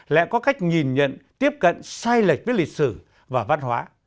lại có cách nhìn nhận tiếp cận sai lệch với lịch sử và văn hóa